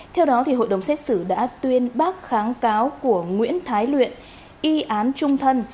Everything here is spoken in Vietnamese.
theo đó hội đồng xét xử đã tuyên bác kháng cáo của nguyễn thái luyện y án trung thân